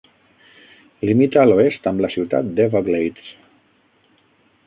Limita a l'oest amb la ciutat d'Everglades.